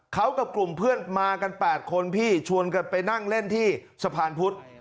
เขากับกลุ่มเพื่อนมากัน๘คนพี่ชวนกันไปนั่งเล่นที่สะพานพุธ